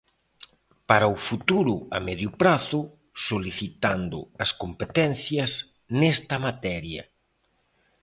Para o futuro a medio prazo, solicitando as competencias nesta materia.